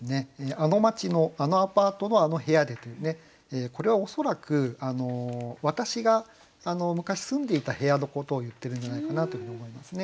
「あの街のあのアパートのあの部屋で」ってこれは恐らく私が昔住んでいた部屋のことを言ってるんじゃないかなというふうに思いますね。